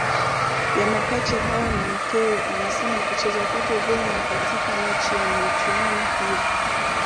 ya mapacha hao na mkewe anasema kucheza kwake vema katika mechi za michuano hiyo